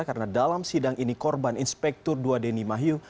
karena dalam sidang ini korban inspektur dua dhani mahyu